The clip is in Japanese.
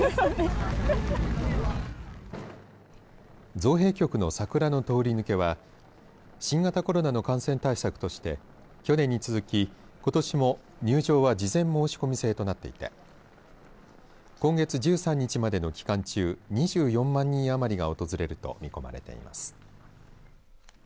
造幣局の桜の通り抜けは新型コロナの感染対策として去年に続きことしも入場は事前申し込み制となっていて今月１３日までの期間中２４万人余りが訪れると見込まれています。